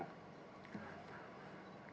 ketika pihak kami mencari